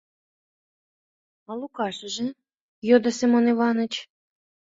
— А Лукашыже? — йодо Семён Иваныч.